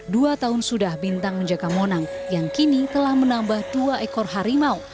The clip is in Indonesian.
dua tahun sudah bintang menjaga monang yang kini telah menambah dua ekor harimau